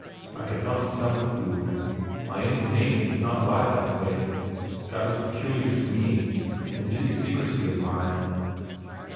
I could not stomach food, my inclination did not lie that way; that was peculiar to me an idiosyncrasy of mine.